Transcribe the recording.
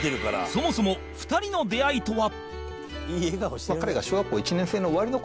そもそも２人の出会いとは？